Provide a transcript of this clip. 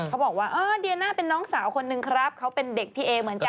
เขาบอกว่าเออเดียน่าเป็นน้องสาวคนนึงครับเขาเป็นเด็กพี่เอเหมือนกัน